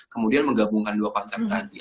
kemudian menggabungkan dua konsep tadi